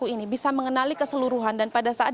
ini yang seharusnya